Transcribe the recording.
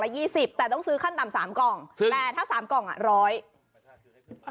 แทบ๑๐แต่ต้องซื้อขั้นต่ำ๓กล่องแต่ถ้า๓กล่องอะ๑๐๐